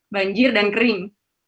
banjir dan kering